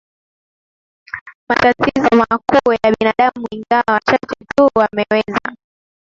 matatizo makuu ya binadamu ingawa wachache tu wameweza